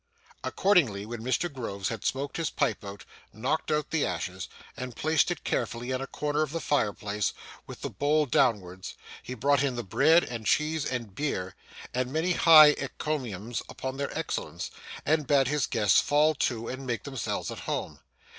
Accordingly, when Mr Groves had smoked his pipe out, knocked out the ashes, and placed it carefully in a corner of the fire place, with the bowl downwards, he brought in the bread and cheese, and beer, with many high encomiums upon their excellence, and bade his guests fall to, and make themselves at home.